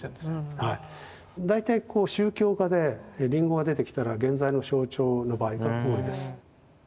大体宗教画でリンゴが出てきたら原罪の象徴の場合が多いです。